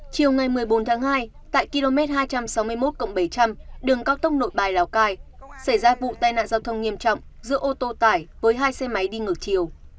chiều ngày một mươi bốn tháng hai tại km hai trăm sáu mươi một bảy trăm linh đường cao tốc nội bài lào cai xảy ra vụ tai nạn giao thông nghiêm trọng giữa ô tô tải với hai xe máy đi ngược chiều